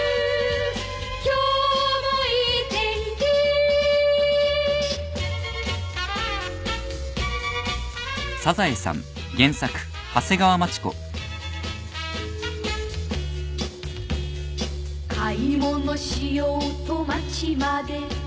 「今日もいい天気」「買い物しようと街まで」